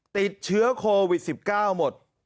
ติดเชื้อโควิด๑๙หมด